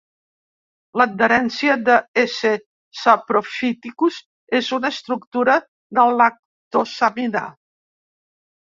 L'adherència de "S. sapropyhticus" és una estructura de lactosamina.